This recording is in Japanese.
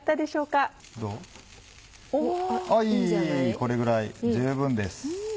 これぐらい十分です。